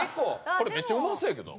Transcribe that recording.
これめっちゃうまそうやけど。